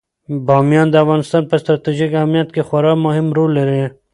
بامیان د افغانستان په ستراتیژیک اهمیت کې خورا مهم رول لري.